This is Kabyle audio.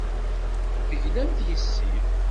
Teglamt yes-i.